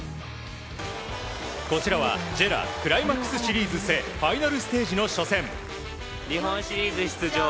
こちらはＪＥＲＡクライマックスシリーズ戦ファイナルステージの初戦。